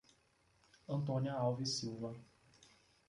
Antônia Alves Silva